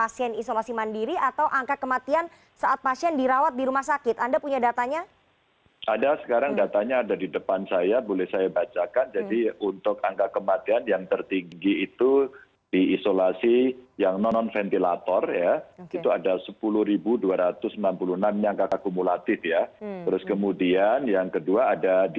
selamat sore mbak rifana